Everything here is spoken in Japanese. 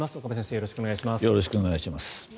よろしくお願いします。